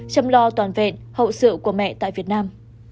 chăm lo toàn vẹn hậu sự của mẹ tại việt nam